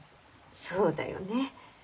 そうだよね。